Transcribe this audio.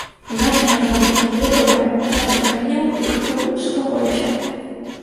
Уражанне ад гаворкі было добрае, я паспакайнеў і крыху супакоіўся.